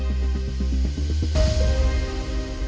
ตอนที่สุดตอนที่สุด